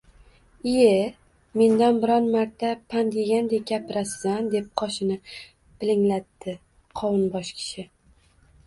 – Ie, mendan biror marta pand yegandek gapirasiz-a, – deb qoshini bilanglatdi qovunbosh kishi